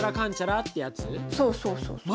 そうそうそうそう。